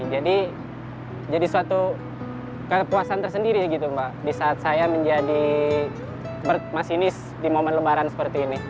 jadi jadi suatu kepuasan tersendiri gitu mbak di saat saya menjadi masinis di momen lebaran seperti ini